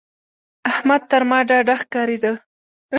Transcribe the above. احمد تر ما ډاډه ښکارېده.